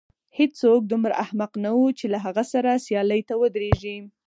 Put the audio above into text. هېڅوک دومره احمق نه و چې له هغه سره سیالۍ ته ودرېږي.